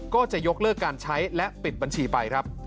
ก็จะยกเลิกการใช้และปิดบัญชีไปครับ